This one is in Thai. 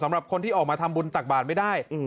สำหรับคนที่ออกมาทำบุญตักบาทไม่ได้